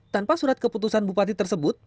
tanpa surat keputusan bupati tersebut